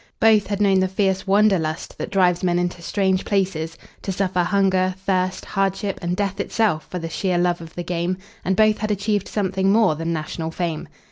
Both had known the fierce wander lust that drives men into strange places to suffer hunger, thirst, hardship and death itself for the sheer love of the game, and both had achieved something more than national fame.